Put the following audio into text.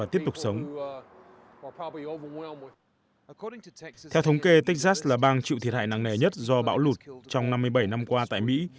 theo thống kê texas là bang chịu thiệt hại nặng nề nhất do bão lụt trong năm mươi bảy năm qua tại mỹ